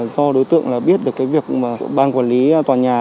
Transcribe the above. do đối tượng là biết được cái việc mà ban quản lý tòa nhà